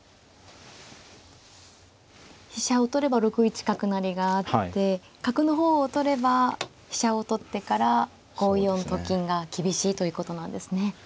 飛車を取れば６一角成があって角の方を取れば飛車を取ってから５四と金が厳しいということなんですね。